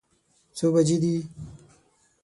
څو بجې دي؟